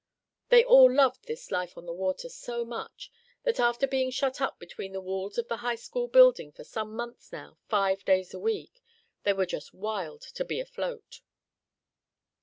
They all loved this life on the water so much, that after being shut up between the walls of the high school building for some months now, five days in a week, they were just wild to be afloat.